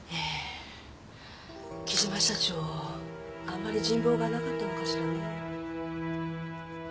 あんまり人望がなかったのかしらね。